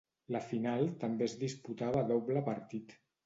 La final també es disputava a doble partit.